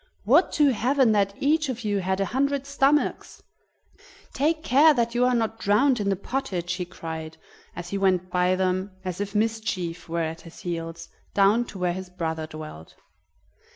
"Would to heaven that each of you had a hundred stomachs! Take care that you are not drowned in the pottage!" he cried as he went by them as if Mischief were at his heels, down to where his brother dwelt.